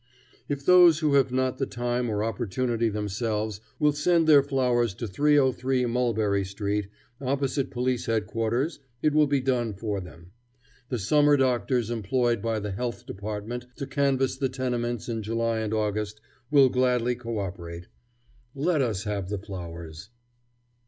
"If those who have not the time or opportunity themselves will send their flowers to 303 Mulberry Street, opposite Police Headquarters, it will be done for them. The summer doctors employed by the Health Department to canvass the tenements in July and August will gladly cooperate. Let us have the flowers."